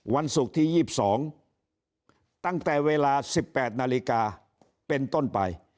วันศุกร์ที่ยี่สองตั้งแต่เวลาสิบแปดนาฬิกาเป็นต้นไป